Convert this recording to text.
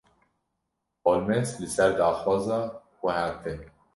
Holmes: Li ser daxwaza xweha te.